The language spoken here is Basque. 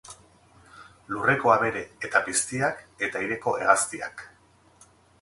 Lurreko abere eta piztiak eta aireko hegaztiak.